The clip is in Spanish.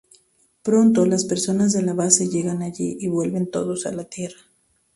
Pronto, las personas de la base llegan allí, y vuelven todos a la Tierra.